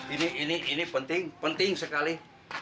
ini ini ini penting penting sekali